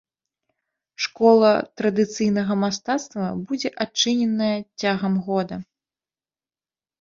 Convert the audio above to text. Школа традыцыйнага мастацтва будзе адчыненая цягам года.